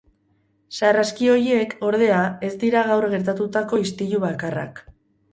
Sarraski horiek, ordea, ez dira gaur gertatutako istilu bakarrak.